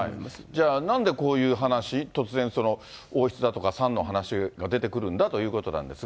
じゃあ、なんでこういう話、突然王室だとかザ・サンの話が出てくるんだということなんですが。